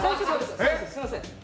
すみません。